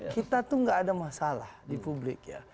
kita tuh gak ada masalah di publik ya